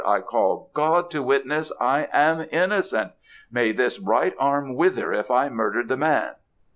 I call God to witness, I am innocent! May this right arm wither if I murdered the man!'